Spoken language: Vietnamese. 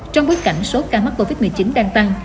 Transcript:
trong bối cảnh số ca mắc covid một mươi chín đang tăng